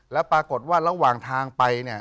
แล้วปรากฏว่าระหว่างทางไปเนี่ย